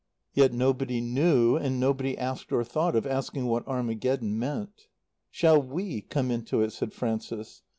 Yet nobody knew and nobody asked or thought of asking what Armageddon meant. "Shall We come into it?" said Frances.